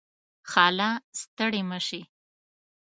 خاله . ستړې مشې